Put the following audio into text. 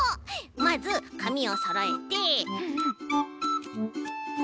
まずかみをそろえて。